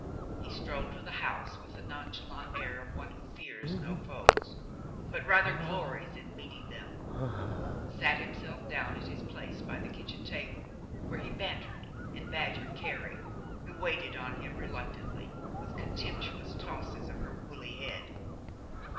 He strolled to the house with the non chalant air of one who fears no foes, but rather glories in meeting them, and sat himself down at his place by the kitchen table, where he bantered and badgered Carrie, who waited on him reluctantly, with contemptuous tosses of her woolly head.